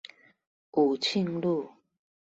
武慶路